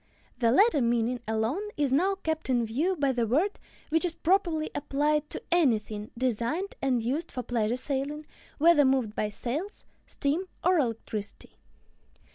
The latter meaning alone is now kept in view by the word, which is properly applied to anything designed and used for pleasure sailing, whether moved by sails, steam, or electricity.